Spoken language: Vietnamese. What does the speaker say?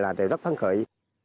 là đều rất phán khởi